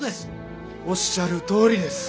おっしゃるとおりです。